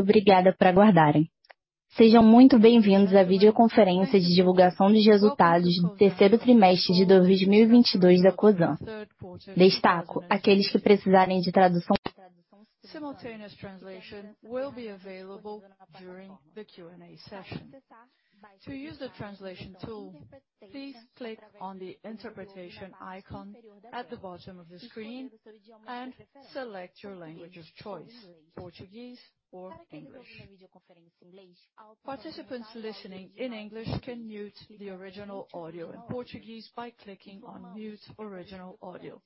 Obrigada por aguardarem. Sejam muito bem-vindos à videoconferência de divulgação de resultados do terceiro trimestre de 2022 da Cosan. Destaco, aqueles que precisarem de tradução. Simultaneous translation will be available during the Q&A session. To use the translation tool, please click on the interpretation icon at the bottom of the screen and select your language of choice, Portuguese or English. Participants listening in English can mute the original audio in Portuguese by clicking on Mute Original Audio.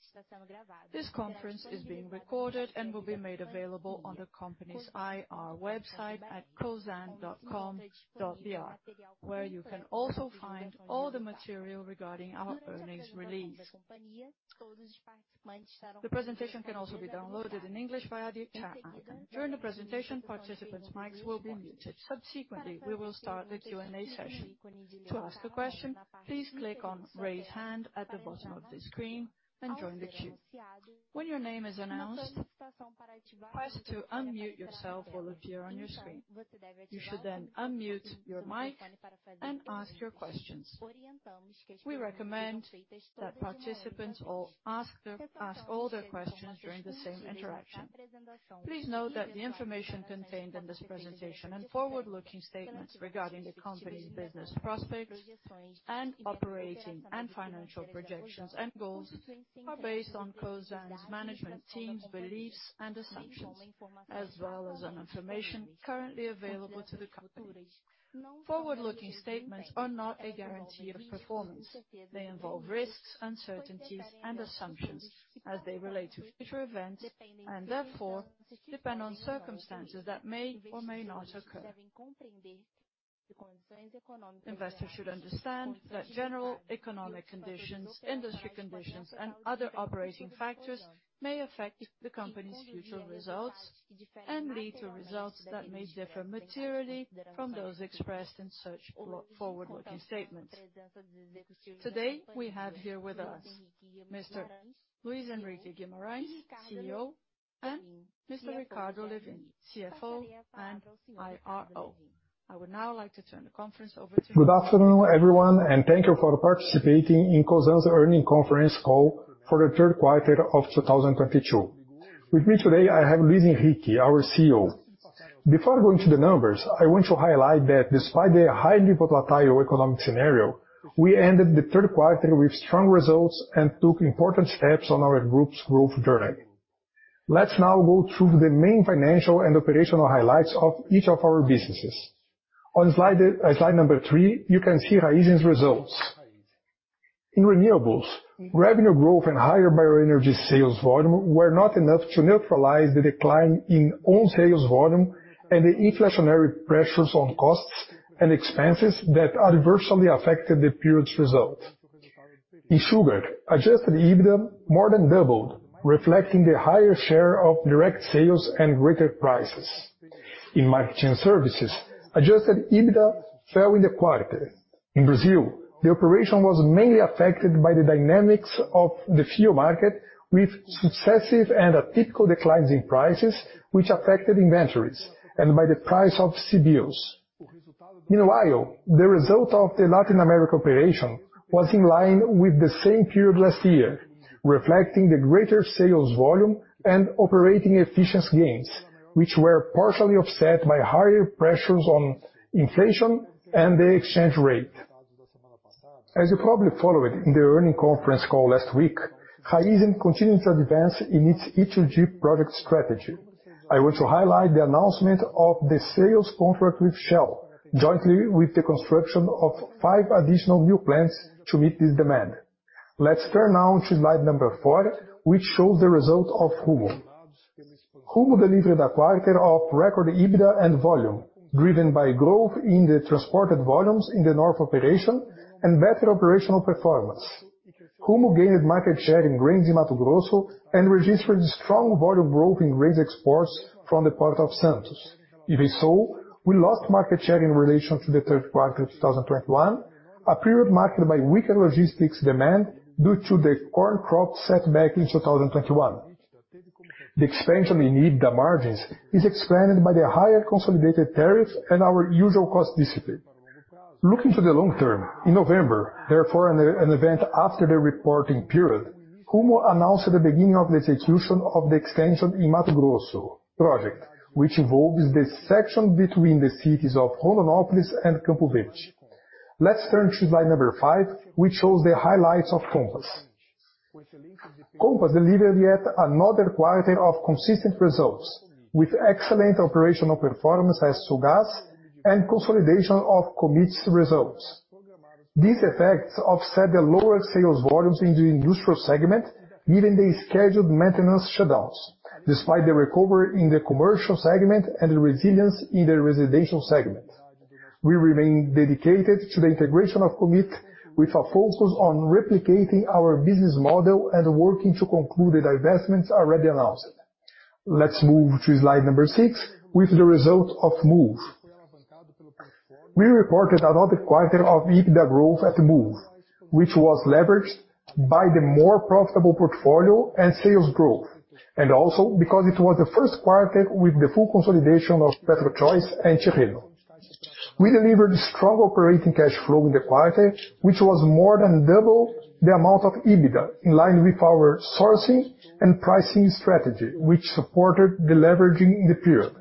This conference is being recorded and will be made available on the company's IR website at cosan.com.br, where you can also find all the material regarding our earnings release. The presentation can also be downloaded in English via the chat icon. During the presentation, participants' mics will be muted. Subsequently, we will start the Q&A session. To ask a question, please click on Raise Hand at the bottom of the screen and join the queue. When your name is announced, a request to unmute yourself will appear on your screen. You should then unmute your mic and ask your questions. We recommend that participants all ask all their questions during the same interaction. Please note that the information contained in this presentation and forward-looking statements regarding the company's business prospects and operating and financial projections and goals are based on Cosan's management team's beliefs and assumptions, as well as on information currently available to the company. Forward-looking statements are not a guarantee of performance. They involve risks, uncertainties, and assumptions as they relate to future events, and therefore depend on circumstances that may or may not occur. Investors should understand that general economic conditions, industry conditions, and other operating factors may affect the company's future results and lead to results that may differ materially from those expressed in such forward-looking statements. Today, we have here with us Mr. Luis Henrique Guimarães, CEO, and Mr. Ricardo Lewin, CFO and IRO. I would now like to turn the conference over to. Good afternoon, everyone, and thank you for participating in Cosan's earnings conference call for the Q3 of 2022. With me today, I have Luis Henrique, our CEO. Before going to the numbers, I want to highlight that despite the highly volatile economic scenario, we ended the Q3 with strong results and took important steps on our group's growth journey. Let's now go through the main financial and operational highlights of each of our businesses. On slide number three, you can see Raízen's results. In renewables, revenue growth and higher bioenergy sales volume were not enough to neutralize the decline in ethanol sales volume and the inflationary pressures on costs and expenses that adversely affected the period's result. In sugar, adjusted EBITDA more than doubled, reflecting the higher share of direct sales and greater prices. In marketing services, adjusted EBITDA fell in the quarter. In Brazil, the operation was mainly affected by the dynamics of the fuel market with successive and atypical declines in prices, which affected inventories and by the price of CBIOs. Meanwhile, the result of the Latin America operation was in line with the same period last year, reflecting the greater sales volume and operating efficiency gains, which were partially offset by higher pressures on inflation and the exchange rate. As you probably followed in the earnings conference call last week, Raízen continued to advance in its E2G project strategy. I want to highlight the announcement of the sales contract with Shell, jointly with the construction of five additional new plants to meet this demand. Let's turn now to slide number four, which shows the result of Rumo. Rumo delivered a quarter of record EBITDA and volume, driven by growth in the transported volumes in the North operation and better operational performance. Rumo gained market share in grains in Mato Grosso and registered strong volume growth in grains exports from the Port of Santos. EBS, we lost market share in relation to the Q3 of 2021, a period marked by weaker logistics demand due to the corn crop setback in 2021. The expansion in EBITDA margins is explained by the higher consolidated tariffs and our usual cost discipline. Looking to the long term, in November, therefore an event after the reporting period, Rumo announced the beginning of the execution of the expansion in Mato Grosso project, which involves the section between the cities of Rondonópolis and Campo Verde. Let's turn to slide five, which shows the highlights of Compass. Compass delivered yet another quarter of consistent results with excellent operational performance as to gas and consolidation of Commit's results. These effects offset the lower sales volumes in the industrial segment, given the scheduled maintenance shutdowns, despite the recovery in the commercial segment and the resilience in the residential segment. We remain dedicated to the integration of Commit with a focus on replicating our business model and working to conclude the divestments already announced. Let's move to slide six with the result of Moove. We reported another quarter of EBITDA growth at Moove, which was leveraged by the more profitable portfolio and sales growth, and also because it was the Q1 with the full consolidation of PetroChoice and Tirreno. We delivered strong operating cash flow in the quarter, which was more than double the amount of EBITDA, in line with our sourcing and pricing strategy, which supported the leveraging in the period.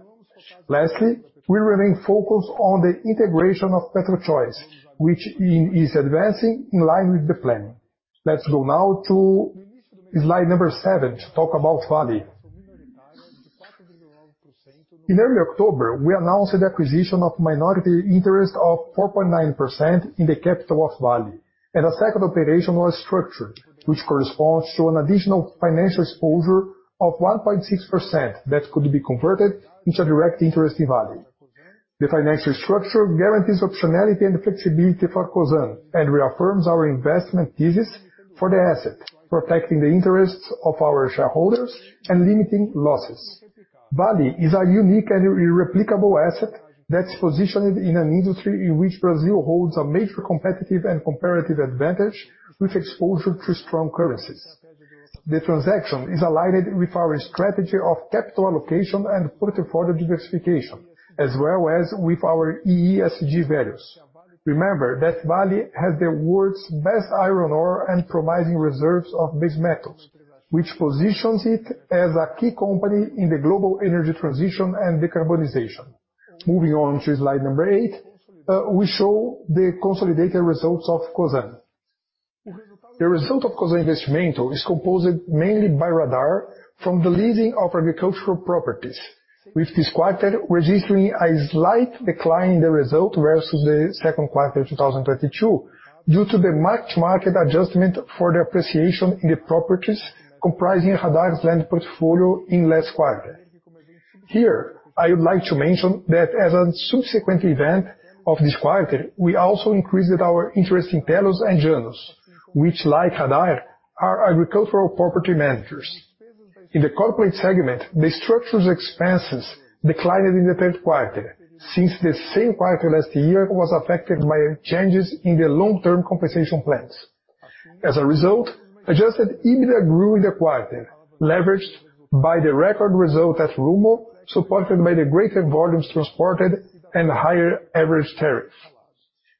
Lastly, we remain focused on the integration of PetroChoice, which is advancing in line with the plan. Let's go now to slide number sevenine to talk about Vale. In early October, we announced the acquisition of minority interest of 4.9% in the capital of Vale, and a second operation was structured, which corresponds to an additional financial exposure of 1.6% that could be converted into direct interest in Vale. The financial structure guarantees optionality and flexibility for Cosan and reaffirms our investment thesis for the asset, protecting the interests of our shareholders and limiting losses. Vale is a unique and irreplicable asset that's positioned in an industry in which Brazil holds a major competitive and comparative advantage with exposure to strong currencies. The transaction is aligned with our strategy of capital allocation and portfolio diversification, as well as with our ESG values. Remember that Vale has the world's best iron ore and promising reserves of base metals, which positions it as a key company in the global energy transition and decarbonization. Moving on to slide number eight, we show the consolidated results of Cosan. The result of Cosan Investimentos is composed mainly by Radar from the leasing of agricultural properties, with this quarter registering a slight decline in the result versus the Q2 2022 due to the mark-to-market adjustment for the appreciation in the properties comprising Radar's land portfolio in last quarter. Here, I would like to mention that as a subsequent event of this quarter, we also increased our interest in Tellus and Janus, which like Radar, are agricultural property managers. In the corporate segment, the structured expenses declined in the Q3 since the same quarter last year was affected by changes in the long-term compensation plans. As a result, adjusted EBITDA grew in the quarter, leveraged by the record result at Rumo, supported by the greater volumes transported and higher average tariffs.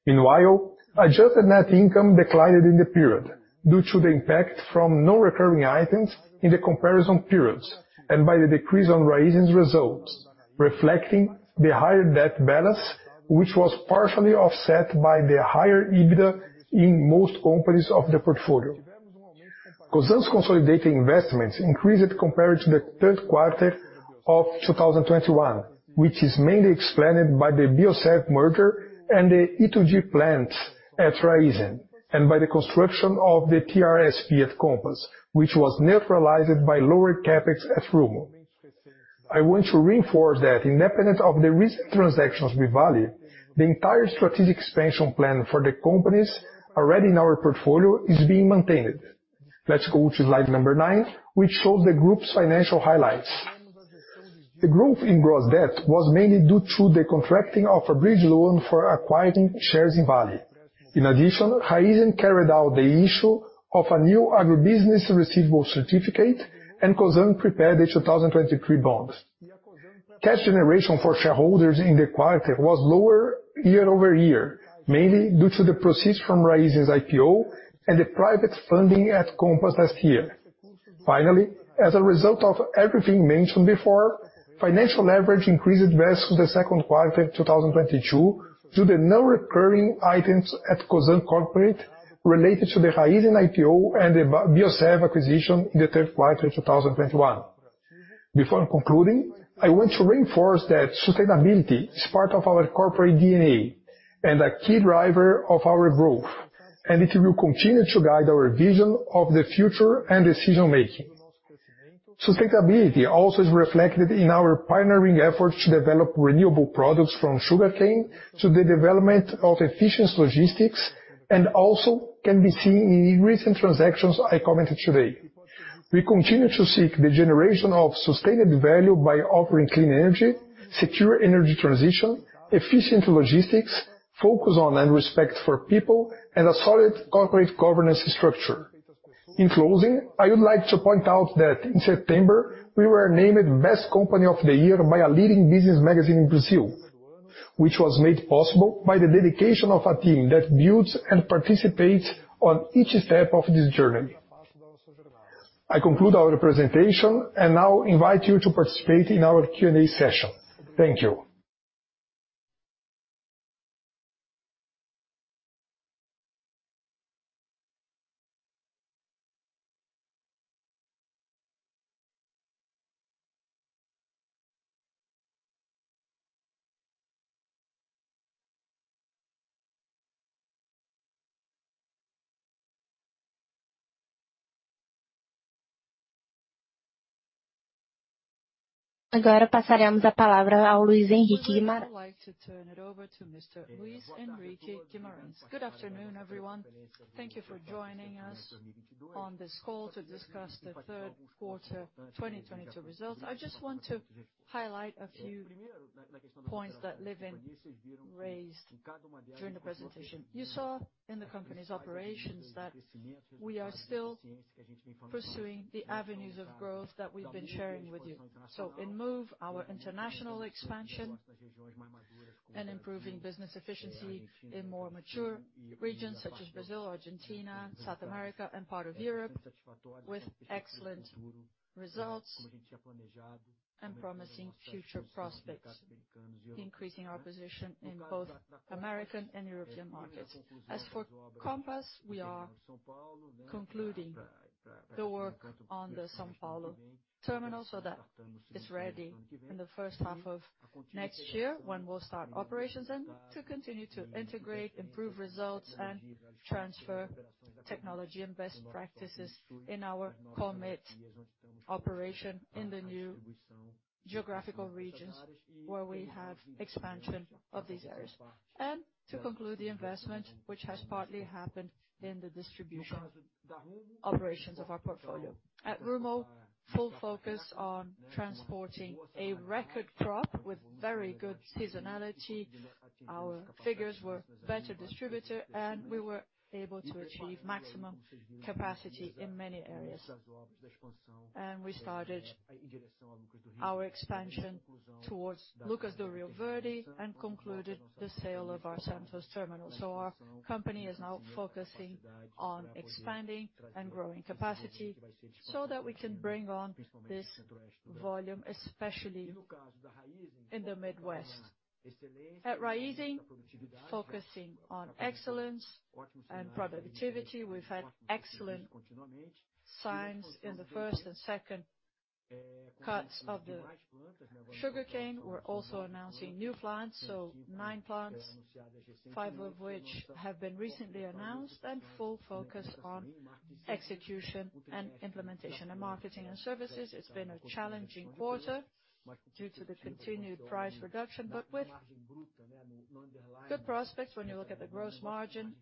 Meanwhile, adjusted net income declined in the period due to the impact from non-recurring items in the comparison periods and by the decrease on Raízen's results, reflecting the higher debt balance, which was partially offset by the higher EBITDA in most companies of the portfolio. Cosan's consolidated investments increased compared to the Q3 of 2021, which is mainly explained by the Biosev merger and the E2G plants at Raízen, and by the construction of the TRSP at Compass, which was neutralized by lower CapEx at Rumo. I want to reinforce that independent of the recent transactions with Vale, the entire strategic expansion plan for the companies already in our portfolio is being maintained. Let's go to slide number nine, which shows the group's financial highlights. The growth in gross debt was mainly due to the contracting of a bridge loan for acquiring shares in Vale. In addition, Raízen carried out the issue of a new Agribusiness Receivables Certificate, and Cosan prepared the 2023 bonds. Cash generation for shareholders in the quarter was lower year-over-year, mainly due to the proceeds from Raízen's IPO and the private funding at Compass last year. Finally, as a result of everything mentioned before, financial leverage increased versus the Q2 2022 due to the non-recurring items at Cosan Corporate related to the Raízen IPO and the Biosev acquisition in the Q3 2021. Before concluding, I want to reinforce that sustainability is part of our corporate DNA and a key driver of our growth, and it will continue to guide our vision of the future and decision-making. Sustainability also is reflected in our pioneering efforts to develop renewable products from sugarcane to the development of efficient logistics, and also can be seen in recent transactions I commented today. We continue to seek the generation of sustained value by offering clean energy, secure energy transition, efficient logistics, focus on and respect for people, and a solid corporate governance structure. In closing, I would like to point out that in September, we were named Best Company of the Year by a leading business magazine in Brazil, which was made possible by the dedication of a team that builds and participates on each step of this journey. I conclude our presentation and now invite you to participate in our Q&A session. Thank you. Now we will hand it over to Mr. Luis Henrique de Beauclair Guimarães. Good afternoon, everyone. Thank you for joining us on this call to discuss the Q3 2022 results. I just want to highlight a few points that Ricardo Lewin raised during the presentation. You saw in the company's operations that we are still pursuing the avenues of growth that we've been sharing with you. In Moove, our international expansion and improving business efficiency in more mature regions such as Brazil, Argentina, South America and part of Europe with excellent results and promising future prospects, increasing our position in both American and European markets. As for Compass, we are concluding the work on the São Paulo terminal so that it's ready in the H1 of next year when we'll start operations and to continue to integrate, improve results, and transfer technology and best practices in our Commit operation in the new geographical regions where we have expansion of these areas. To conclude the investment which has partly happened in the distribution operations of our portfolio. At Rumo, full focus on transporting a record crop with very good seasonality. Our figures were better distribution, and we were able to achieve maximum capacity in many areas. We started our expansion towards Lucas do Rio Verde and concluded the sale of our Santos terminal. Our company is now focusing on expanding and growing capacity so that we can bring on this volume, especially in the Midwest. At Raízen, focusing on excellence and productivity. We've had excellent signs in the first and second cuts of the sugarcane. We're also announcing new plants, so nine plants, five of which have been recently announced and full focus on execution and implementation. In Marketing and Services, it's been a challenging quarter due to the continued price reduction, but with good prospects when you look at the gross margin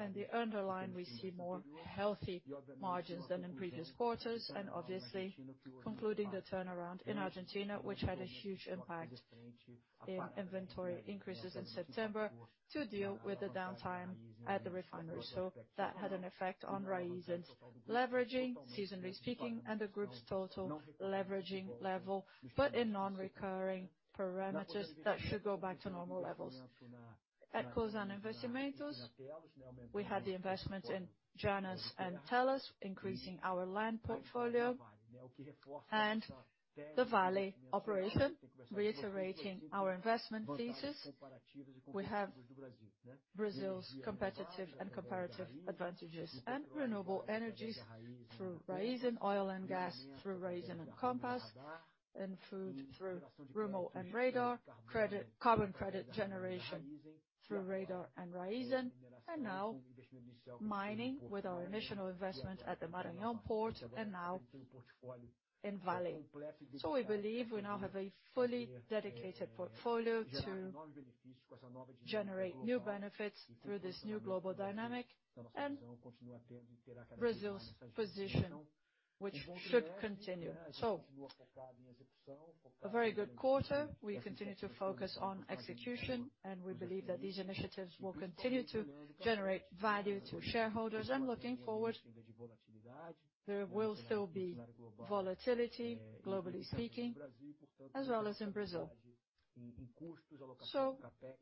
and the underlying, we see more healthy margins than in previous quarters, and obviously concluding the turnaround in Argentina, which had a huge impact in inventory increases in September to deal with the downtime at the refinery. That had an effect on Raízen's leveraging, seasonally speaking, and the group's total leveraging level, but in non-recurring parameters that should go back to normal levels. At Cosan Investimentos, we had the investment in Janus and Tellus, increasing our land portfolio and the Vale operation, reiterating our investment thesis. We have Brazil's competitive and comparative advantages and renewable energies through Raízen Oil and Gas, through Raízen and Compass, in food through Rumo and Radar, carbon credit generation through Radar and Raízen, and now mining with our initial investment at the Maranhão port and now in Vale. We believe we now have a fully dedicated portfolio to generate new benefits through this new global dynamic and Brazil's position, which should continue. A very good quarter. We continue to focus on execution, and we believe that these initiatives will continue to generate value to shareholders. Looking forward, there will still be volatility, globally speaking, as well as in Brazil.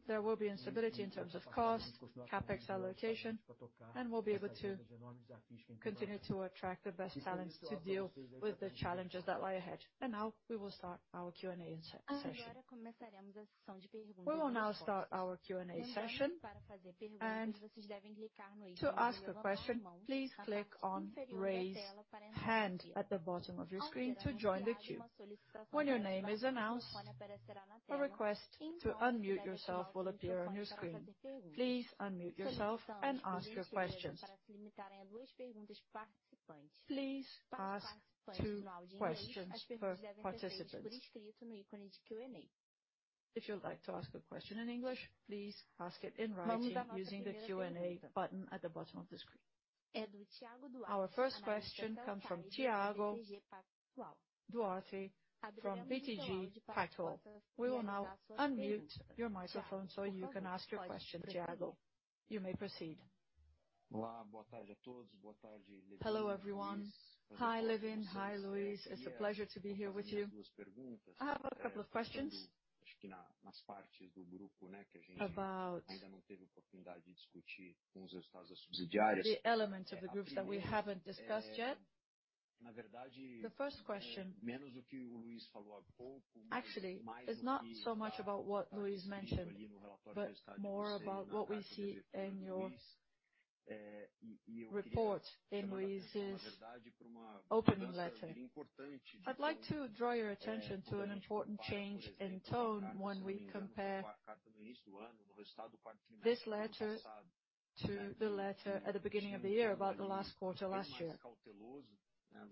There will be instability in terms of cost, CapEx allocation, and we'll be able to continue to attract the best talents to deal with the challenges that lie ahead. Now we will start our Q&A session. We will now start our Q&A session. To ask a question, please click on Raise Hand at the bottom of your screen to join the queue. When your name is announced, a request to unmute yourself will appear on your screen. Please unmute yourself and ask your questions. Please ask two questions per participant. If you'd like to ask a question in English, please ask it in writing using the Q&A button at the bottom of the screen. Our first question comes from Thiago Duarte from BTG Pactual. We will now unmute your microphone so you can ask your question, Tiago. You may proceed. Hello, everyone. Hi, Lewin. Hi, Luis. It's a pleasure to be here with you. I have a couple of questions about the elements of the groups that we haven't discussed yet. The first question, actually, is not so much about what Luis mentioned, but more about what we see in your report in Luis's opening letter. I'd like to draw your attention to an important change in tone when we compare this letter to the letter at the beginning of the year about the last quarter last year.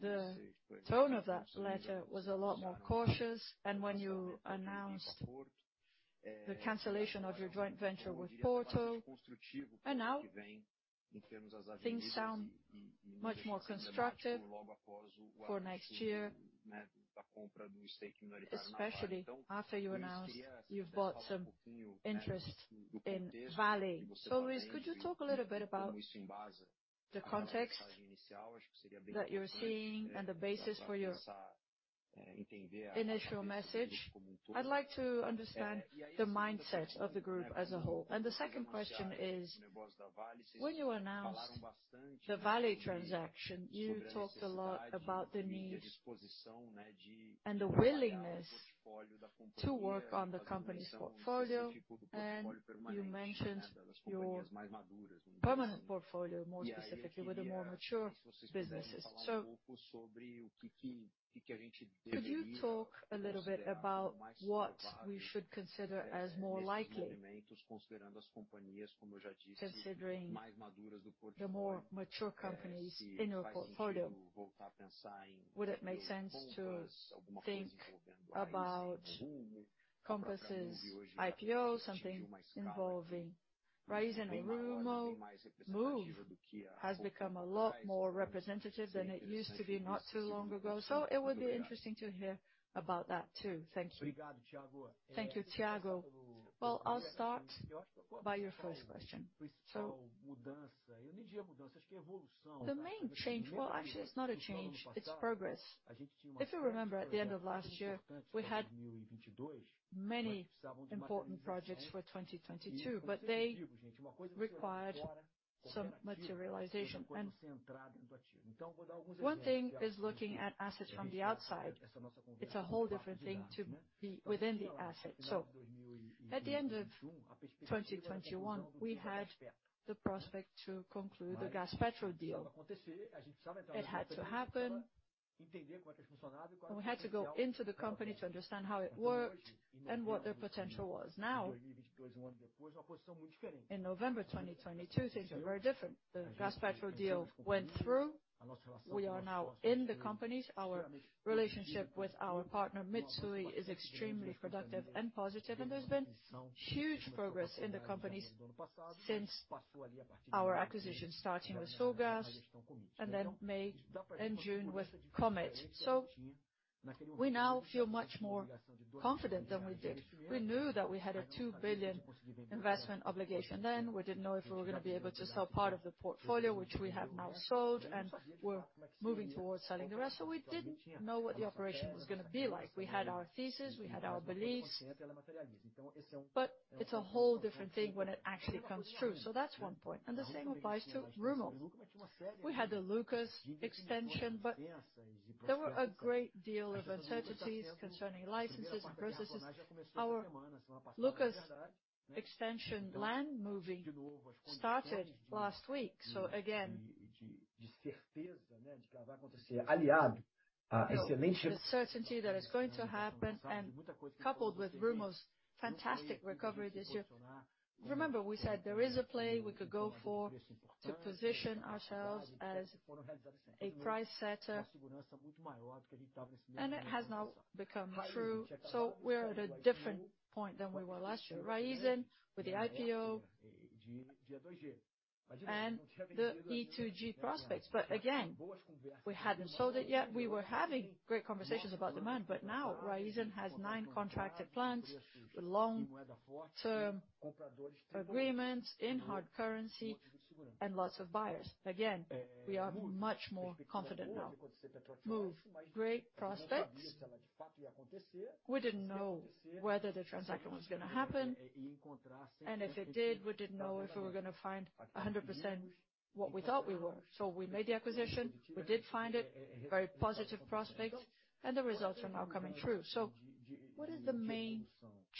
The tone of that letter was a lot more cautious, and when you announced the cancellation of your joint venture with Porto Seguro. Now things sound much more constructive for next year, especially after you announced you've bought some interest in Vale. Luis, could you talk a little bit about the context that you're seeing and the basis for your initial message? I'd like to understand the mindset of the group as a whole. The second question is, when you announced the Vale transaction, you talked a lot about the need and the willingness to work on the company's portfolio. You mentioned your permanent portfolio, more specifically, with the more mature businesses. Could you talk a little bit about what we should consider as more likely, considering the more mature companies in your portfolio? Would it make sense to think about Compass' IPO, something involving Rumo, Moove has become a lot more representative than it used to be not too long ago. It would be interesting to hear about that, too. Thank you. Thank you, Thiago. Well, I'll start with your first question. Well, actually, it's not a change, it's progress. If you remember at the end of last year, we had many important projects for 2022, but they required some materialization. One thing is looking at assets from the outside, it's a whole different thing to be within the asset. At the end of 2021, we had the prospect to conclude the Gaspetro deal. It had to happen, and we had to go into the company to understand how it worked and what their potential was. Now, in November 2022 things are very different. The Gaspetro deal went through. We are now in the companies. Our relationship with our partner, Mitsui, is extremely productive and positive. There's been huge progress in the companies since our acquisition, starting with Sulgás and then May and June with Commit. We now feel much more confident than we did. We knew that we had a 2 billion investment obligation then. We didn't know if we were gonna be able to sell part of the portfolio, which we have now sold, and we're moving towards selling the rest. We didn't know what the operation was gonna be like. We had our thesis, we had our beliefs, but it's a whole different thing when it actually comes true. That's one point. The same applies to Rumo. We had the Lucas extension, but there were a great deal of uncertainties concerning licenses and processes. Our Lucas extension land moving started last week, so again, the certainty that it's going to happen and coupled with Rumo's fantastic recovery this year. Remember we said there is a play we could go for to position ourselves as a price setter, and it has now become true. We're at a different point than we were last year. Raízen with the IPO and the E2G prospects, but again, we hadn't sold it yet. We were having great conversations about demand, but now Raízen has nine contracted plants, long-term agreements in hard currency and lots of buyers. Again, we are much more confident now. Moove, great prospects. We didn't know whether the transaction was gonna happen, and if it did, we didn't know if we were gonna find 100% what we thought we were. We made the acquisition, we did find it, very positive prospect, and the results are now coming true. What is the main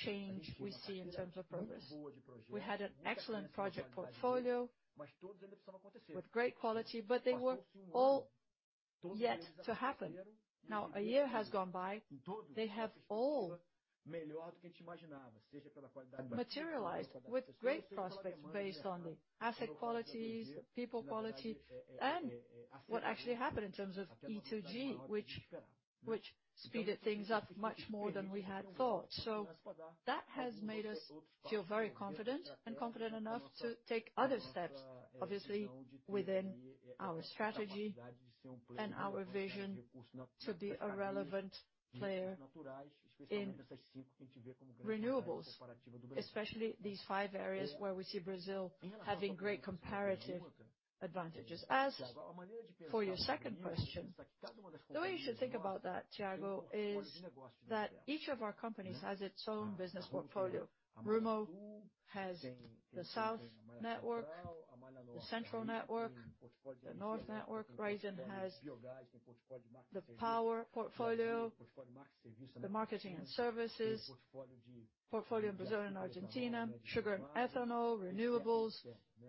change we see in terms of progress? We had an excellent project portfolio with great quality, but they were all yet to happen. Now, a year has gone by. They have all materialized with great prospects based on the asset qualities, people quality, and what actually happened in terms of E2G, which speeded things up much more than we had thought. That has made us feel very confident enough to take other steps, obviously within our strategy and our vision, to be a relevant player in renewables, especially these five areas where we see Brazil having great comparative advantages. As for your second question, the way you should think about that, Thiago, is that each of our companies has its own business portfolio. Rumo has the South network, the Central network, the North network. Raízen has the power portfolio, the marketing and services, portfolio in Brazil and Argentina, sugar and ethanol, renewables,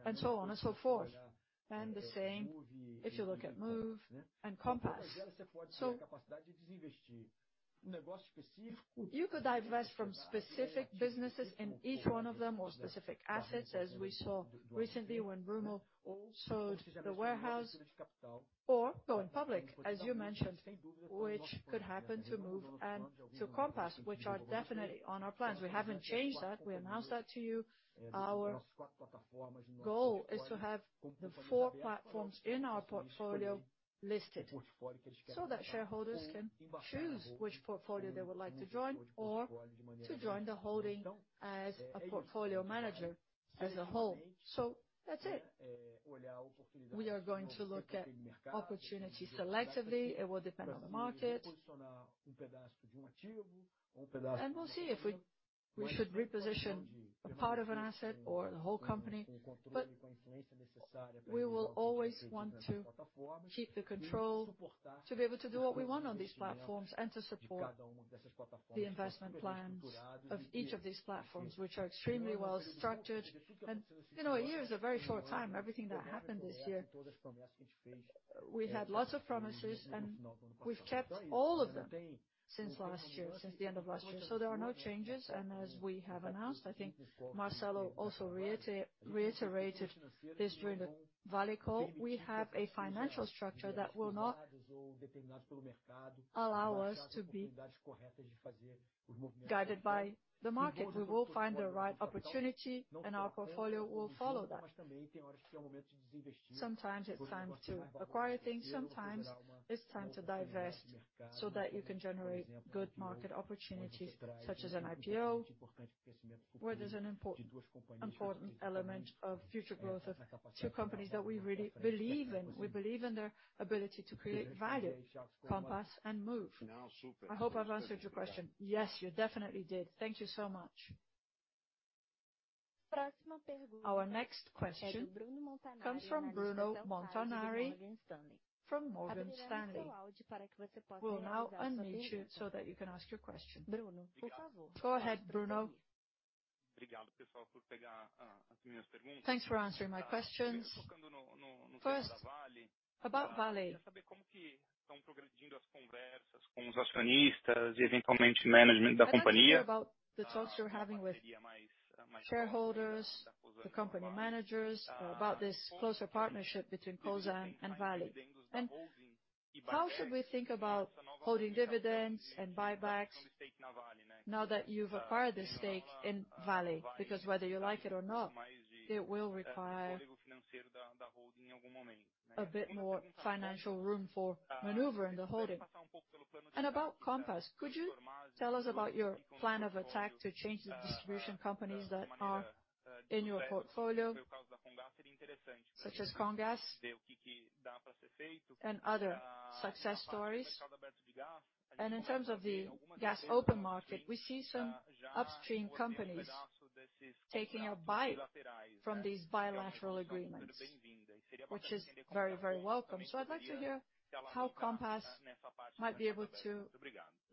and so on and so forth. The same if you look at Moove and Compass. You could divest from specific businesses in each one of them, or specific assets, as we saw recently when Bruno sold the warehouse. Or go public, as you mentioned, which could happen to Moove and to Compass, which are definitely on our plans. We haven't changed that. We announced that to you. Our goal is to have the four platforms in our portfolio listed so that shareholders can choose which portfolio they would like to join or to join the holding as a portfolio manager as a whole. That's it. We are going to look at opportunities selectively. It will depend on the market. We'll see if we should reposition a part of an asset or the whole company. We will always want to keep the control to be able to do what we want on these platforms and to support the investment plans of each of these platforms, which are extremely well-structured. You know, a year is a very short time. Everything that happened this year, we had lots of promises, and we've kept all of them since last year, since the end of last year. There are no changes. As we have announced, I think Marcelo also reiterated this during the Vale call, we have a financial structure that will not allow us to be guided by the market. We will find the right opportunity, and our portfolio will follow that. Sometimes it's time to acquire things, sometimes it's time to divest so that you can generate good market opportunities, such as an IPO, where there's an important element of future growth of two companies that we really believe in. We believe in their ability to create value, Compass and Moove. I hope I've answered your question. Yes, you definitely did. Thank you so much. Our next question comes from Bruno Montanari from Morgan Stanley. We'll now unmute you so that you can ask your question. Go ahead, Bruno. Thanks for answering my questions. First, about Vale, I'd like to hear about the talks you're having with shareholders, the company managers about this closer partnership between Cosan and Vale. How should we think about holding dividends and buybacks now that you've acquired this stake in Vale? Because whether you like it or not, it will require a bit more financial room for maneuver in the holding. About Compass, could you tell us about your plan of attack to change the distribution companies that are in your portfolio, such as Comgás and other success stories? In terms of the gas open market, we see some upstream companies taking a bite from these bilateral agreements, which is very, very welcome. I'd like to hear how Compass might be able to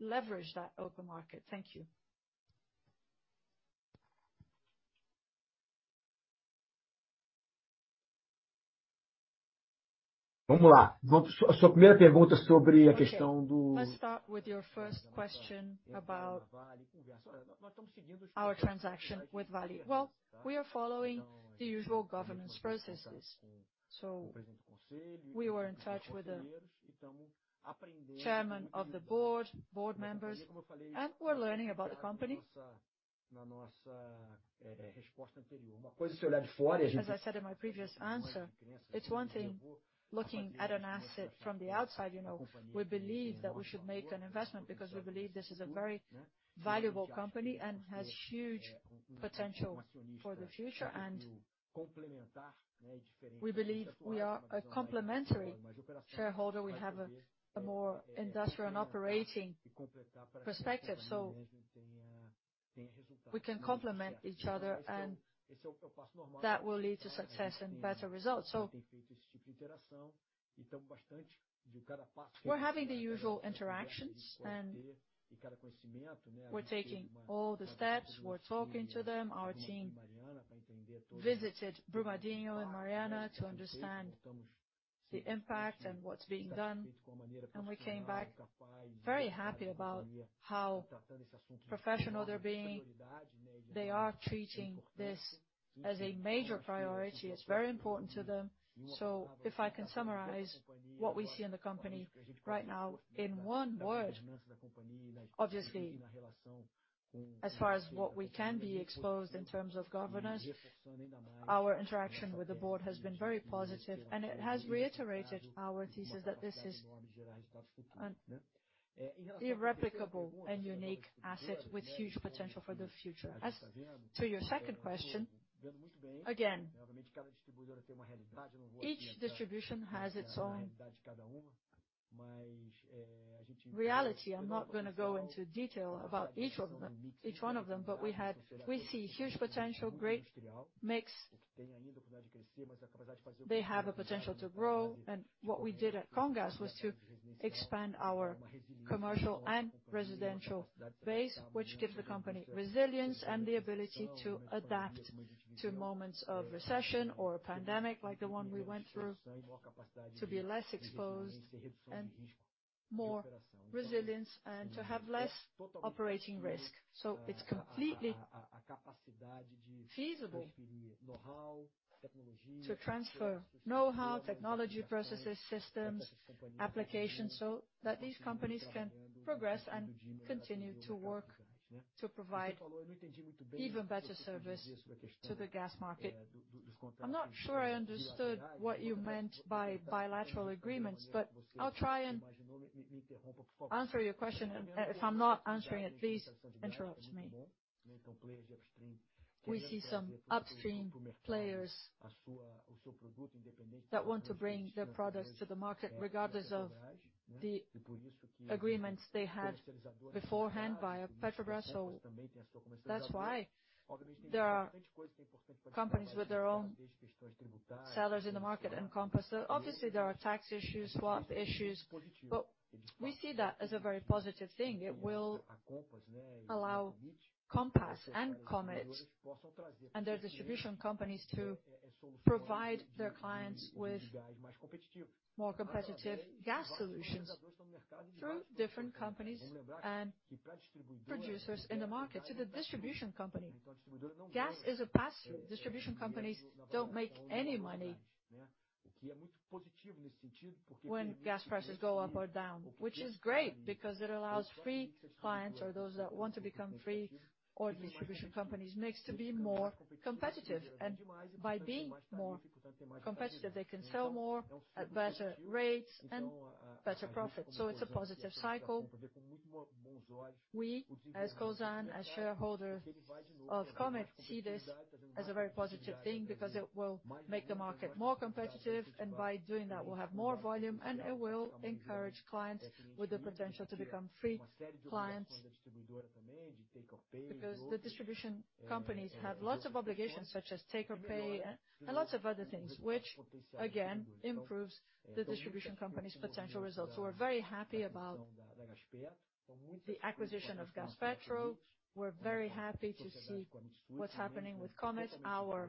leverage that open market. Thank you. Okay. Let's start with your first question about our transaction with Vale. Well, we are following the usual governance processes. We were in touch with the chairman of the board members, and we're learning about the company. As I said in my previous answer, it's one thing looking at an asset from the outside, you know. We believe that we should make an investment because we believe this is a very valuable company and has huge potential for the future. We believe we are a complementary shareholder. We have a more industrial and operating perspective, so we can complement each other, and that will lead to success and better results. We're having the usual interactions, and we're taking all the steps. We're talking to them. Our team visited Brumadinho and Mariana to understand the impact and what's being done, and we came back very happy about how professional they're being. They are treating this as a major priority. It's very important to them. If I can summarize what we see in the company right now in one word, obviously, as far as what we can be exposed in terms of governance, our interaction with the board has been very positive, and it has reiterated our thesis that this is an irreplicable and unique asset with huge potential for the future. As to your second question, again, each distribution has its own reality. I'm not gonna go into detail about each one of them. We see huge potential, great mix. They have a potential to grow. What we did at Comgás was to expand our commercial and residential base, which gives the company resilience and the ability to adapt to moments of recession or a pandemic like the one we went through to be less exposed and more resilience and to have less operating risk. It's completely feasible to transfer know-how, technology, processes, systems, applications, so that these companies can progress and continue to work to provide even better service to the gas market. I'm not sure I understood what you meant by bilateral agreements, but I'll try and answer your question. If I'm not answering it, please interrupt me. We see some upstream players that want to bring their products to the market regardless of the agreements they had beforehand via Petrobras. That's why there are companies with their own sellers in the market and Compass. Obviously, there are tax issues, swap issues, but we see that as a very positive thing. It will allow Compass and Comgás and their distribution companies to provide their clients with more competitive gas solutions through different companies and producers in the market to the distribution company. Gas is a pass-through. Distribution companies don't make any money when gas prices go up or down, which is great because it allows free clients or those that want to become free. All distribution companies must be more competitive. By being more competitive, they can sell more at better rates and better profit. It's a positive cycle. We, as Cosan, as shareholder of Compass, see this as a very positive thing because it will make the market more competitive, and by doing that, we'll have more volume, and it will encourage clients with the potential to become free clients because the distribution companies have lots of obligations such as take or pay and lots of other things, which, again, improves the distribution company's potential results. We're very happy about the acquisition of Gaspetro. We're very happy to see what's happening with Compass, our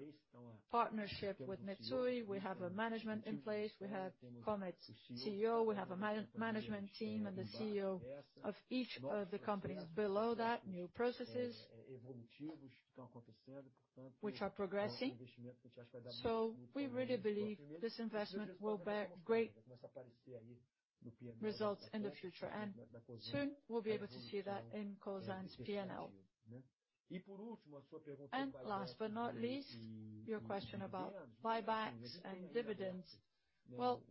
partnership with Mitsui. We have management in place. We have Compass's CEO, we have a management team and the CEO of each of the companies below that, new processes which are progressing. We really believe this investment will bear great results in the future, and soon we'll be able to see that in Cosan's P&L. Last but not least, your question about buybacks and dividends. Well,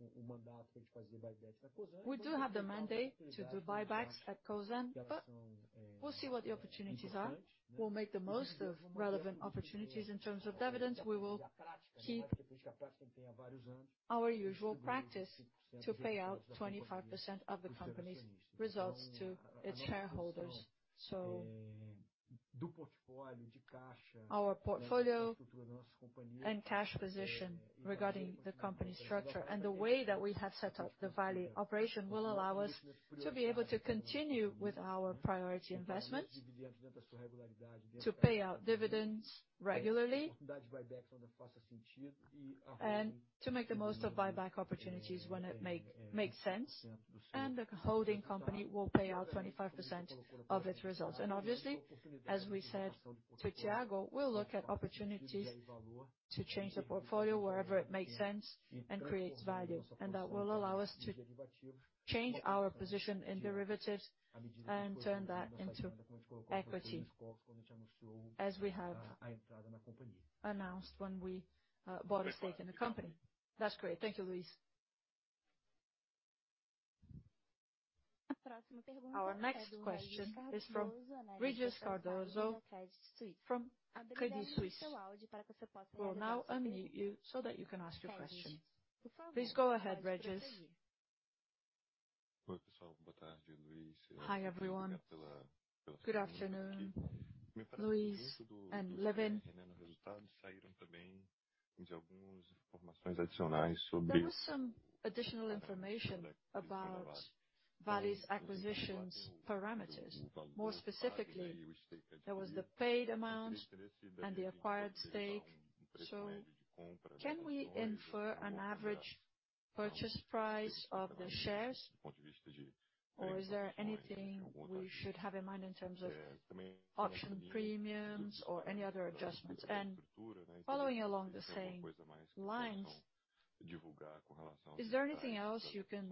we do have the mandate to do buybacks at Cosan, but we'll see what the opportunities are. We'll make the most of relevant opportunities. In terms of dividends, we will keep our usual practice to pay out 25% of the company's results to its shareholders. Our portfolio and cash position regarding the company structure and the way that we have set up the Vale operation will allow us to be able to continue with our priority investment, to pay out dividends regularly, and to make the most of buyback opportunities when it makes sense, and the holding company will pay out 25% of its results. Obviously, as we said to Thiago, we'll look at opportunities to change the portfolio wherever it makes sense and creates value. That will allow us to change our position in derivatives and turn that into equity, as we have announced when we bought a stake in the company. That's great. Thank you, Luis. Our next question is from Régis Cardoso from Credit Suisse. We'll now unmute you so that you can ask your question. Please go ahead, Régis. Hi, everyone. Good afternoon, Luis and Lewin. There was some additional information about Vale's acquisitions parameters. More specifically, there was the paid amount and the acquired stake. Can we infer an average purchase price of the shares, or is there anything we should have in mind in terms of option premiums or any other adjustments? Following along the same lines, is there anything else you can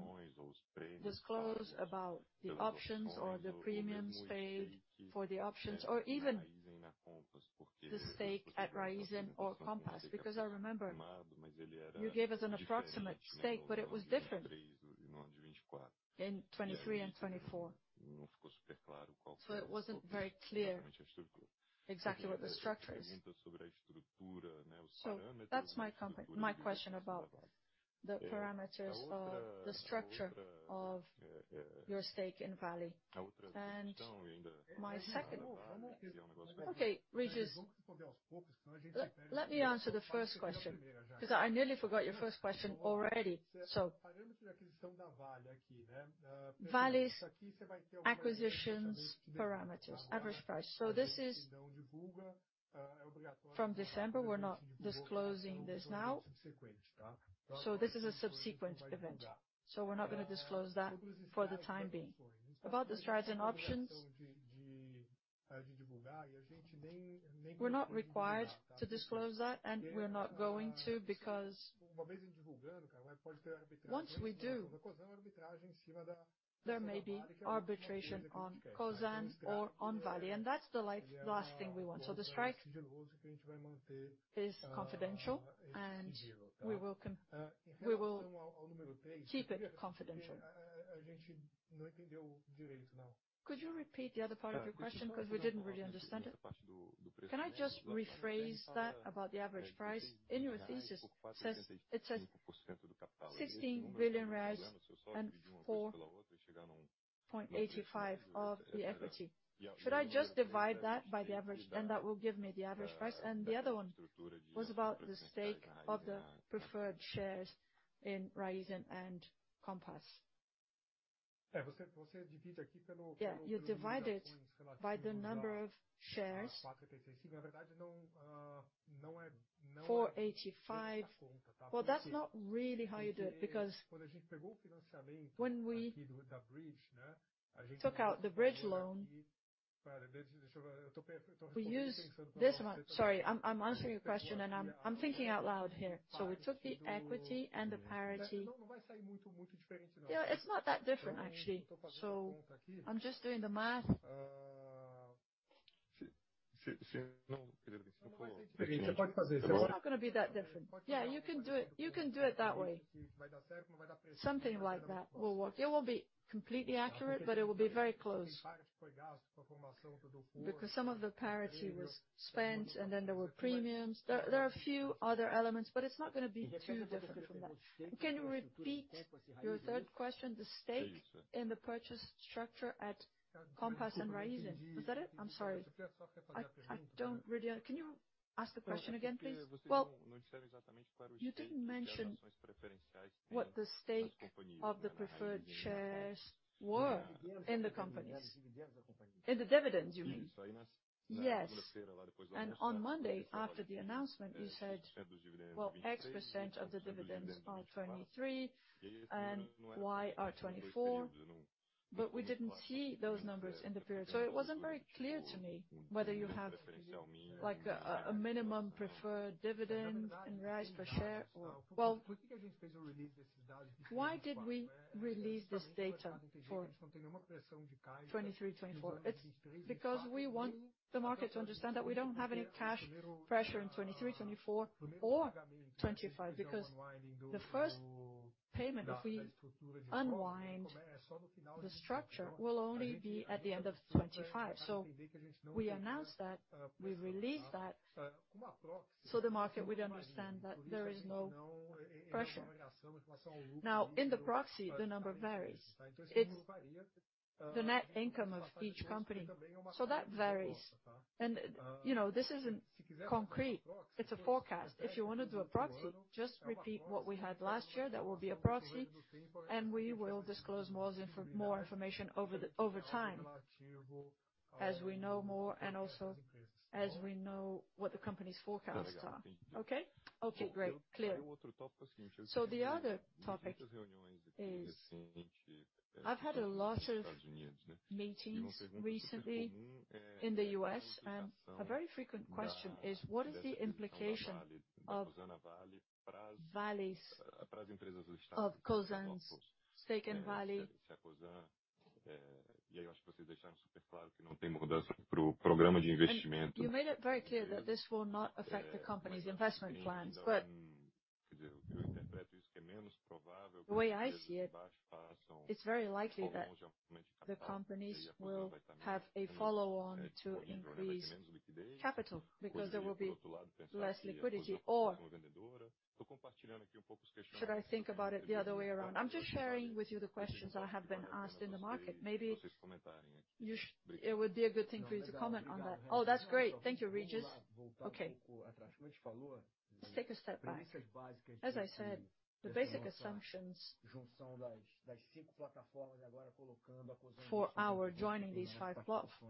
disclose about the options or the premiums paid for the options, or even the stake at Raízen or Compass? Because I remember you gave us an approximate stake, but it was different in 2023 and 2024. It wasn't very clear exactly what the structure is. That's my question about the parameters of the structure of your stake in Vale. Okay, Regis. Let me answer the first question because I nearly forgot your first question already. Vale's acquisitions parameters, average price. This is from December. We're not disclosing this now. This is a subsequent event, so we're not gonna disclose that for the time being. About the strikes and options. We're not required to disclose that, and we're not going to because once we do, there may be arbitrage on Cosan or on Vale, and that's the last thing we want. The strike is confidential, and we will keep it confidential. Could you repeat the other part of your question because we didn't really understand it? Can I just rephrase that about the average price? In your thesis, it says 16 billion and 4.85% of the equity. Should I just divide that by the average and that will give me the average price? The other one was about the stake of the preferred shares in Raízen and Compass. Yeah, you divide it by the number of shares. 485. Well, that's not really how you do it, because when we took out the bridge loan, we used this amount. Sorry, I'm answering your question, and I'm thinking out loud here. We took the equity and the parity. You know, it's not that different, actually. I'm just doing the math. It's not gonna be that different. Yeah, you can do it, you can do it that way. Something like that will work. It won't be completely accurate, but it will be very close. Because some of the parity was spent, and then there were premiums. There are a few other elements, but it's not gonna be too different from that. Can you repeat your third question, the stake in the purchase structure at Compass and Raízen? Was that it? I'm sorry. I don't really... Can you ask the question again, please? Well, you didn't mention what the stake of the preferred shares were in the companies. In the dividends, you mean? Yes. On Monday, after the announcement, you said, "Well, X% of the dividends are 2023, and Y% are 2024." But we didn't see those numbers in the period, so it wasn't very clear to me whether you have, like, a minimum preferred dividend in Raízen per share or. Well, why did we release this data for 2023, 2024? It's because we want the market to understand that we don't have any cash pressure in 2023, 2024, or 2025 because the first payment, if we unwind the structure, will only be at the end of 2025. We announced that, we released that, so the market would understand that there is no pressure. Now, in the proxy, the number varies. It's the net income of each company. That varies. You know, this isn't concrete. It's a forecast. If you wanna do a proxy, just repeat what we had last year. That will be a proxy, and we will disclose more information over time as we know more and also as we know what the company's forecasts are. Okay? Okay, great. Clear. The other topic is I've had a lot of meetings recently in the U.S., and a very frequent question is, what is the implication of Cosan's stake in Vale? You made it very clear that this will not affect the company's investment plans. The way I see it's very likely that the companies will have a follow-on to increase capital because there will be less liquidity, or should I think about it the other way around? I'm just sharing with you the questions I have been asked in the market. Maybe it would be a good thing for you to comment on that. Oh, that's great. Thank you, Régis. Okay. Let's take a step back. As I said, the basic assumptions for our joining these five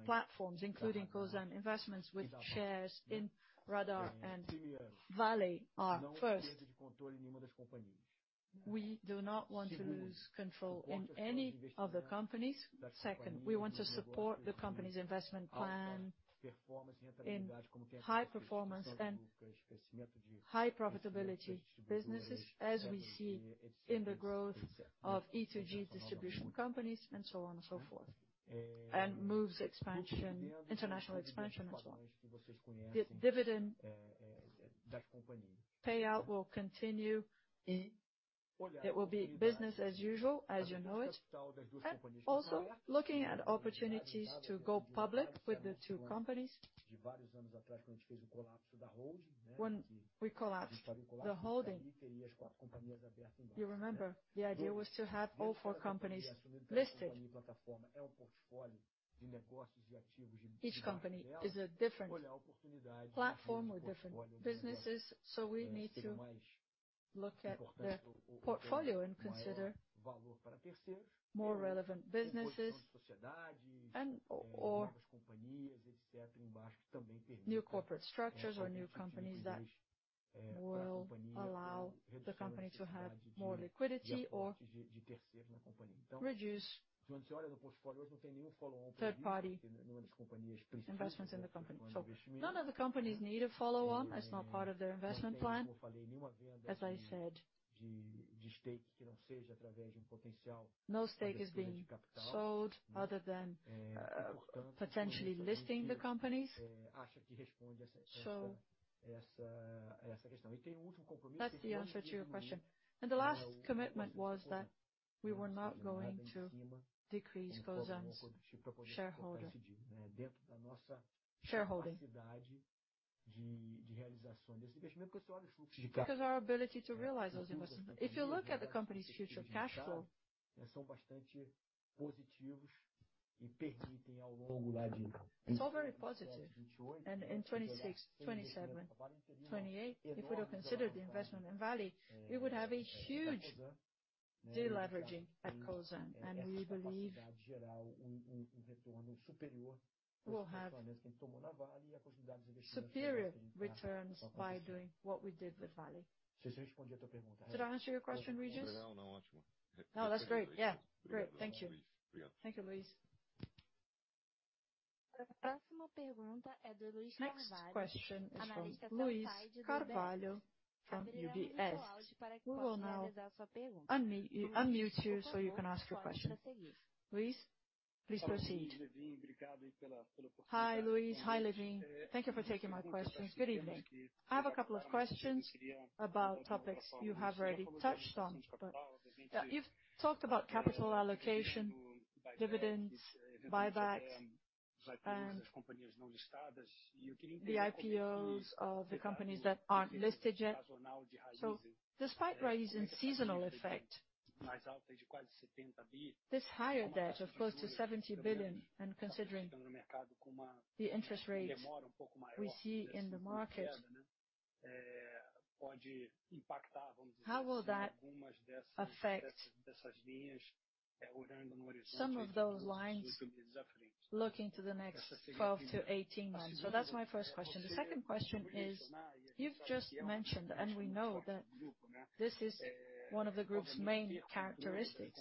platforms, including Cosan Investimentos with shares in Radar and Vale, are, first, we do not want to lose control in any of the companies. Second, we want to support the company's investment plan in high performance and high profitability businesses, as we see in the growth of E2G distribution companies, and so on and so forth, and Moove's expansion, international expansion, and so on. Dividend payout will continue. It will be business as usual, as you know it, and also looking at opportunities to go public with the two companies. When we collapsed the holding, you remember the idea was to have all four companies listed. Each company is a different platform or different businesses, so we need to look at the portfolio and consider more relevant businesses and/or new corporate structures or new companies that will allow the company to have more liquidity or reduce third-party investments in the company. None of the companies need a follow-on, that's not part of their investment plan. As I said, no stake is being sold other than potentially listing the companies. That's the answer to your question. The last commitment was that we were not going to decrease Cosan's shareholding because our ability to realize those investments. If you look at the company's future cash flow, it's all very positive. In 2026, 2027, 2028, if we were to consider the investment in Vale, we would have a huge de-leveraging at Cosan. We believe we'll have superior returns by doing what we did with Vale. Did I answer your question, Régis? That's great. Yeah. Great. Thank you. Thank you, Luis. Next question is from Luiz Carvalho from UBS. We will now unmute you so you can ask your question. Luiz, please proceed. Hi, Luis. Hi, Lewin. Thank you for taking my questions. Good evening. I have a couple of questions about topics you have already touched on. You've talked about capital allocation, dividends, buybacks, and the IPOs of the companies that aren't listed yet. Despite rising seasonal effect, this higher debt of close to 70 billion, and considering the interest rates we see in the market, how will that affect some of those lines looking to the next 12 months-18 months? That's my first question. The second question is, you've just mentioned, and we know that this is one of the group's main characteristics,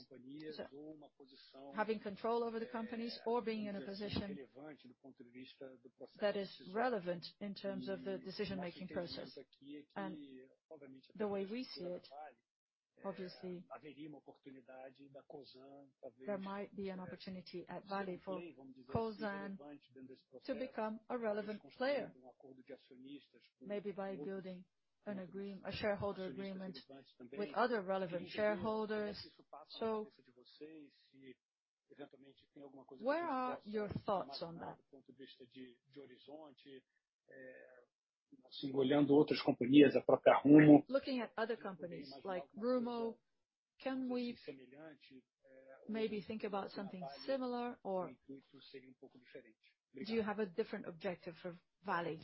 having control over the companies or being in a position that is relevant in terms of the decision-making process. The way we see it, obviously, there might be an opportunity at Vale for Cosan to become a relevant player, maybe by building a shareholder agreement with other relevant shareholders. Where are your thoughts on that? Looking at other companies like Rumo, can we maybe think about something similar or do you have a different objective for Vale?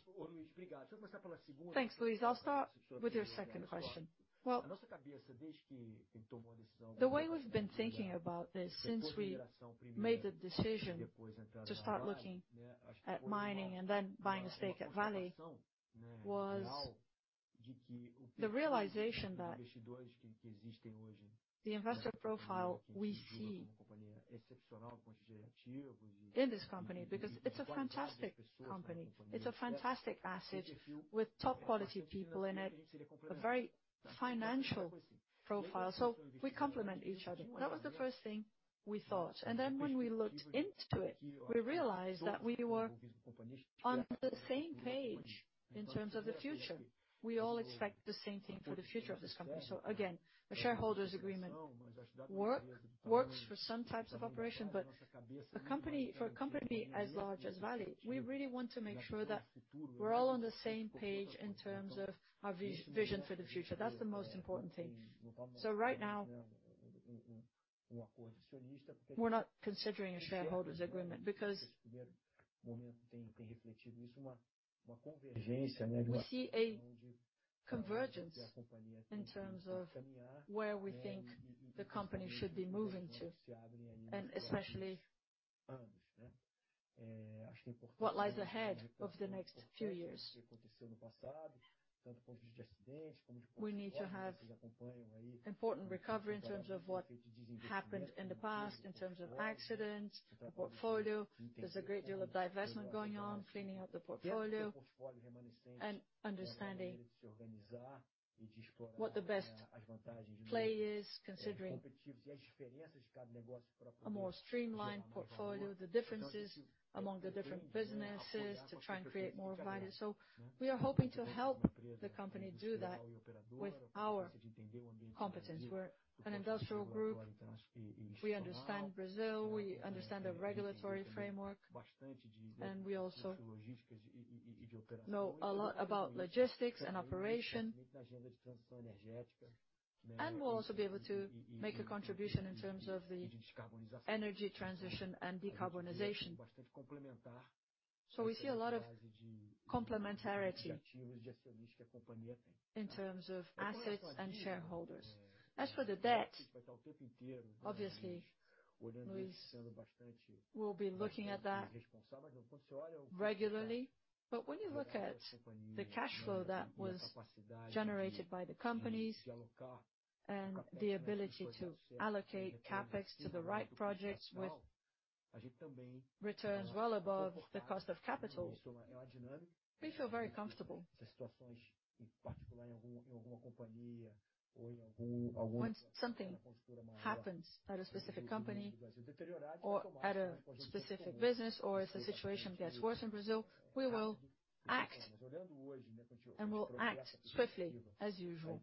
Thanks, Luiz. I'll start with your second question. Well, the way we've been thinking about this since we made the decision to start looking at mining and then buying a stake at Vale was the realization that the investor profile we see in this company, because it's a fantastic company, it's a fantastic asset with top quality people in it, a very financial profile. We complement each other. That was the first thing we thought. when we looked into it, we realized that we were on the same page in terms of the future. We all expect the same thing for the future of this company, a shareholders agreement works for some types of operation, but for a company as large as Vale, we really want to make sure that we're all on the same page in terms of our vision for the future. That's the most important thing. right now, we're not considering a shareholders agreement because we see a convergence in terms of where we think the company should be moving to, and especially what lies ahead over the next few years. We need to have important recovery in terms of what happened in the past, in terms of accidents, the portfolio. There's a great deal of divestment going on, cleaning up the portfolio and understanding what the best play is, considering a more streamlined portfolio, the differences among the different businesses to try and create more value. We are hoping to help the company do that with our competence. We're an industrial group. We understand Brazil, we understand the regulatory framework, and we also know a lot about logistics and operation. We'll also be able to make a contribution in terms of the energy transition and decarbonization. We see a lot of complementarity in terms of assets and shareholders. As for the debt, obviously. We will be looking at that regularly. When you look at the cash flow that was generated by the companies and the ability to allocate CapEx to the right projects with returns well above the cost of capital, we feel very comfortable. When something happens at a specific company or at a specific business, or if the situation gets worse in Brazil, we will act, and we'll act swiftly as usual.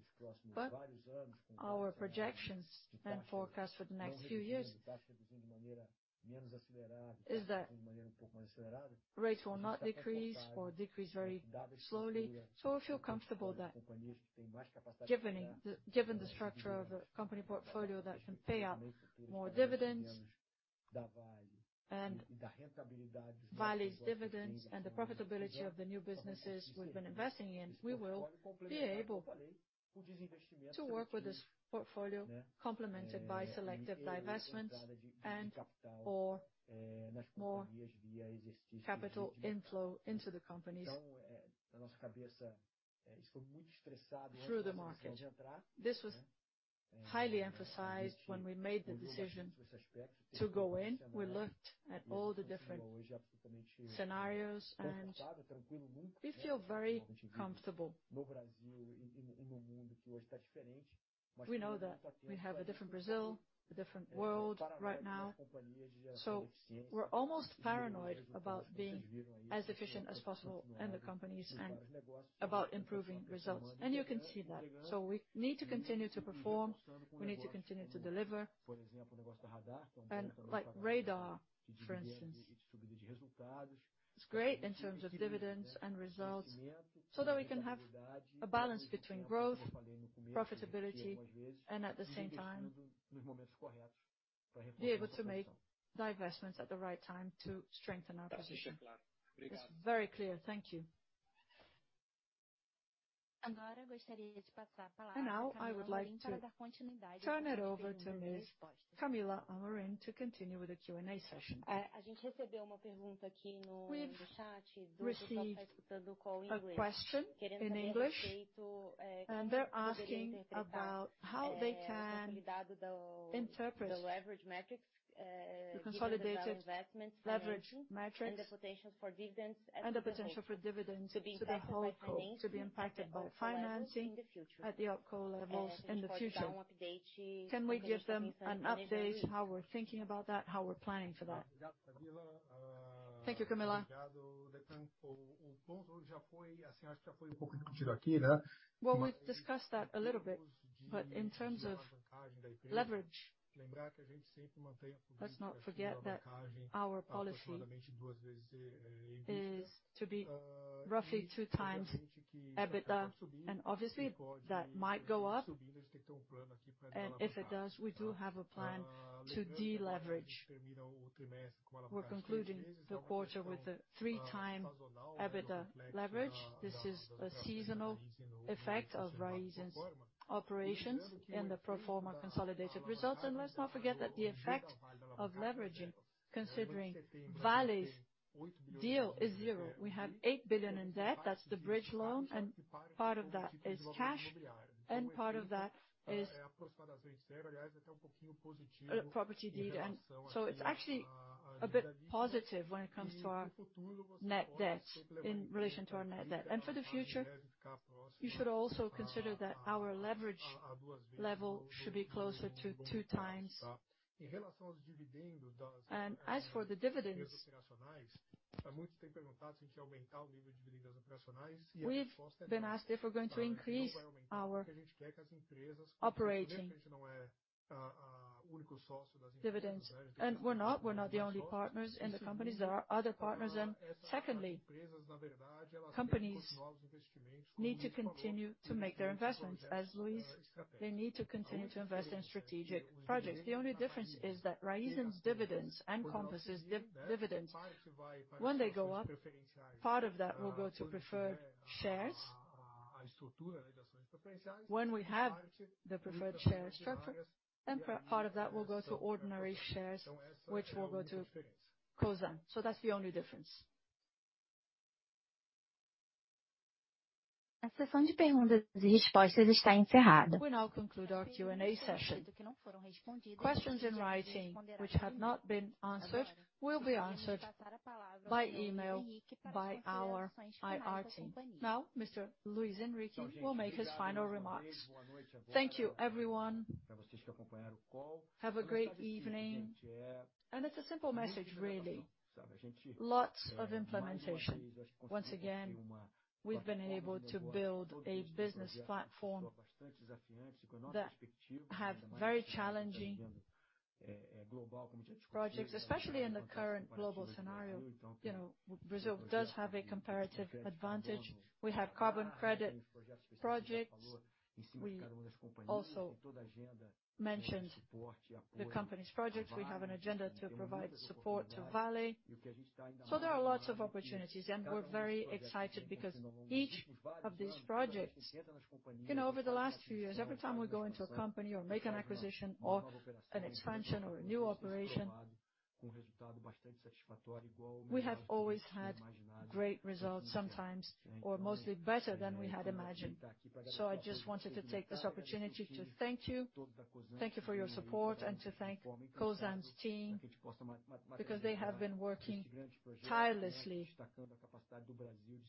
Our projections and forecast for the next few years is that rates will not decrease or decrease very slowly. We feel comfortable that given the structure of a company portfolio that can pay out more dividends and Vale's dividends and the profitability of the new businesses we've been investing in, we will be able to work with this portfolio complemented by selective divestments and/or more capital inflow into the companies through the market. This was highly emphasized when we made the decision to go in. We looked at all the different scenarios, and we feel very comfortable. We know that we have a different Brazil, a different world right now, so we're almost paranoid about being as efficient as possible in the companies and about improving results, and you can see that. We need to continue to perform. We need to continue to deliver. Like Radar, for instance, it's great in terms of dividends and results, so that we can have a balance between growth, profitability, and at the same time be able to make divestments at the right time to strengthen our position. It's very clear. Thank you. Now I would like to turn it over to Ms. Camila Amorim to continue with the Q&A session. We've received a question in English, and they're asking about how they can interpret the consolidated leverage metrics, the consolidated leverage metrics and the potential for dividends, and the potential for dividends to the whole, to be impacted by financing at the holdco levels in the future. Can we give them an update how we're thinking about that, how we're planning for that? Thank you, Camila. Well, we've discussed that a little bit, but in terms of leverage, let's not forget that our policy is to be roughly 2x EBITDA, and obviously, that might go up. If it does, we do have a plan to deleverage. We're concluding the quarter with a 3x EBITDA leverage. This is a seasonal effect of Raízen's operations in the pro forma consolidated results. Let's not forget that the effect of leveraging considering Vale's deal is zero. We have 8 billion in debt. That's the bridge loan, and part of that is cash, and part of that is property deed. It's actually a bit positive when it comes to our net debt, in relation to our net debt. For the future, you should also consider that our leverage level should be closer to 2x. As for the dividends, we've been asked if we're going to increase our operating dividends. We're not, we're not the only partners in the companies. There are other partners. Secondly, companies need to continue to make their investments. As Luis, they need to continue to invest in strategic projects. The only difference is that Raízen's dividends and Compass's dividends, when they go up, part of that will go to preferred shares. When we have the preferred share structure, then part of that will go to ordinary shares, which will go to Cosan. That's the only difference. We now conclude our Q&A session. Questions in writing which have not been answered will be answered by email by our IR team. Now, Mr. Luis Henrique will make his final remarks. Thank you, everyone. Have a great evening. It's a simple message, really. Lots of implementation. Once again, we've been able to build a business platform that have very challenging projects, especially in the current global scenario. You know, Brazil does have a comparative advantage. We have carbon credit projects. We also mentioned the company's projects. We have an agenda to provide support to Vale. There are lots of opportunities, and we're very excited because each of these projects. You know, over the last few years, every time we go into a company or make an acquisition or an expansion or a new operation, we have always had great results, sometimes or mostly better than we had imagined. I just wanted to take this opportunity to thank you, thank you for your support, and to thank Cosan's team, because they have been working tirelessly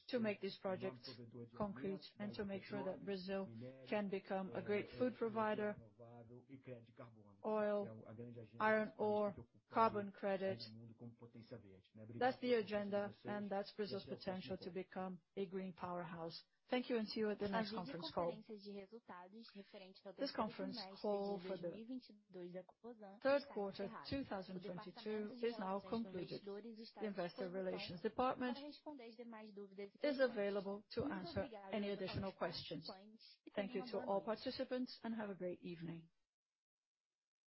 to make these projects concrete and to make sure that Brazil can become a great food provider, oil, iron ore, carbon credit. That's the agenda, and that's Brazil's potential to become a green powerhouse. Thank you, and see you at the next conference call. This conference call for the Q3 2022 is now concluded. The Investor Relations department is available to answer any additional questions. Thank you to all participants, and have a great evening.